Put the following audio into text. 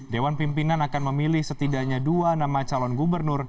dewan pimpinan akan memilih setidaknya dua nama calon gubernur